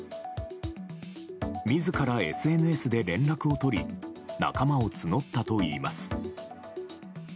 自らＳＮＳで連絡を取り仲間を募ったといいます。